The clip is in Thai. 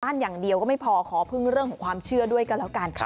อย่างเดียวก็ไม่พอขอพึ่งเรื่องของความเชื่อด้วยกันแล้วกัน